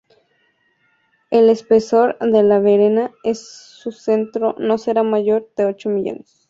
El espesor de la Venera en su centro no será mayor de ocho milímetros.